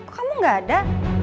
kamu gak ada